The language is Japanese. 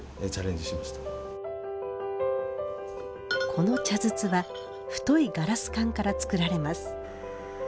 この茶筒は太いガラス管から作られます。